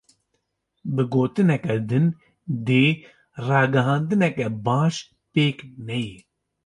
Bi gotineke din; dê ragihandineke baş pêk neyê.